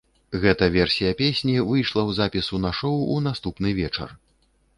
Гэта версія песні выйшла ў запісу на шоу ў наступны вечар.